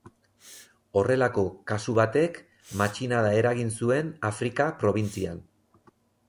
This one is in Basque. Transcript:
Horrelako kasu batek matxinada eragin zuen Afrika probintzian.